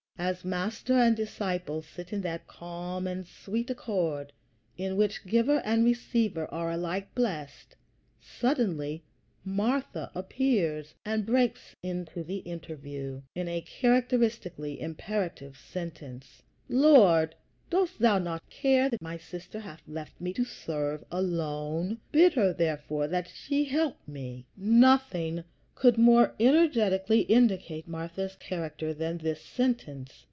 As Master and disciple sit in that calm and sweet accord, in which giver and receiver are alike blessed, suddenly Martha appears and breaks into the interview, in a characteristically imperative sentence: "Lord, dost thou not care that my sister hath left me to serve alone? Bid her, therefore, that she help me." Nothing could more energetically indicate Martha's character than this sentence.